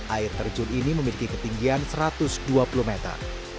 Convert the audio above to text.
air terjun ini memiliki ketinggian satu ratus dua puluh meter